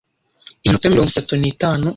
iminota mirongo itatu nitanu